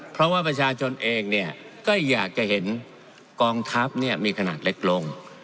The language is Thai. เพราะว่าประชาชนเองเนี่ยก็อยากจะเห็นกองทัพมีขนาดเล็กลง